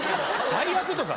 最悪とか。